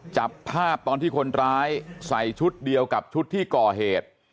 จับภาพตอนที่คนร้ายใส่ชุดเดียวกับชุดที่ก่อเหตุ